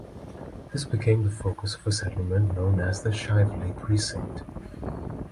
This became the focus of a settlement known as the Shively precinct.